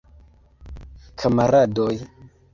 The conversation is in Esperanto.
Kamaradoj!